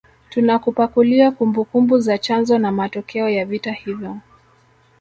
Tunakupakulia kumbukumbu za chanzo na matokeo ya vita hivyo